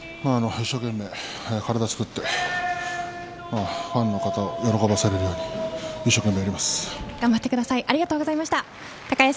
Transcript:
一生懸命、体をつくってファンの方を喜ばせられるように頑張ります。